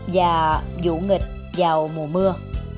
và vụ nghịch vào mùa mưa